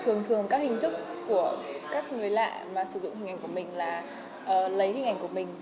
thường thường các hình thức của các người lạ mà sử dụng hình ảnh của mình là lấy hình ảnh của mình